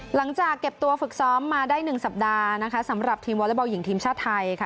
หลังจากเก็บตัวฝึกซ้อมมาได้๑สัปดาห์สำหรับทีมวอร์เล็ตบอลหญิงทีมชาติไทย